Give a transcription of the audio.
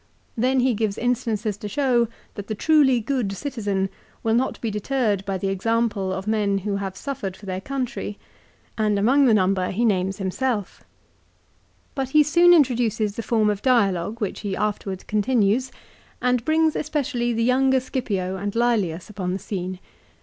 Then he gives instances to show that the truly good citizen will not be deterred by the example of men who have suffered for their country, and among the number he names himself. 374 LIFE OF CICERO. But he soon introduces the form of dialogue which he afterwards continues, and brings especially the younger Scipio and Lselius upon the scene.